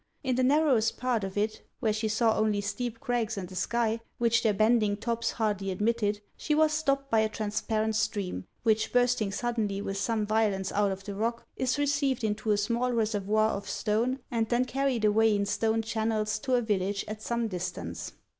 In the narrowest part of it, where she saw only steep craggs and the sky, which their bending tops hardly admitted, she was stopped by a transparent stream, which bursting suddenly with some violence out of the rock, is received into a small reservoir of stone and then carried away in stone channels to a village at some distance.